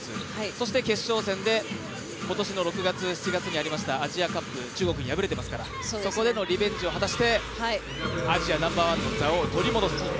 そして決勝戦で今年の６月、７月にありましたアジアカップ中国に敗れていますからそこでのリベンジを果たしてアジアナンバーワンの座を取り戻すと。